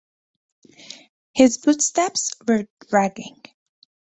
His footsteps were dragging.